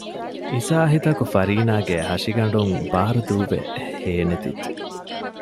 އިސާހިތަކު ފަރީނާގެ ހަށިގަނޑުން ބާރުދޫވެ ހޭނެތިއްޖެ